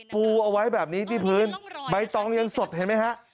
ปูเอาไว้แบบนี้ที่พื้นใบตองยังสดเห็นไหมฮะ